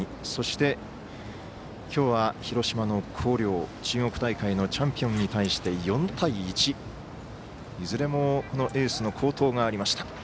そして、きょうは広島の広陵、中国大会のチャンピオンに対して４対１、いずれもエースの好投がありました。